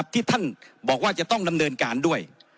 ที่ท่านบอกว่าจะต้องดำเนินการด้วย